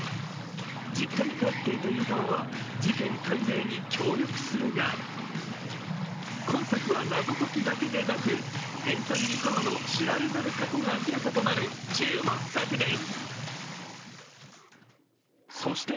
実家に帰っていた湯川は事件解明に協力するが今作は謎解きだけでなく天才・湯川の知られざる過去が明らかになる注目作です。